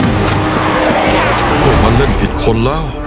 พวกมันเล่นผิดคนแล้ว